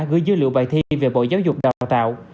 gửi dữ liệu bài thi về bộ giáo dục đào tạo